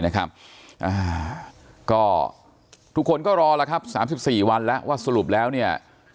ทุกคนก็รอแล้วครับ๓๔วันแล้วว่าสรุปแล้วเนี่ย